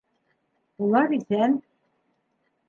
Улар иҫән.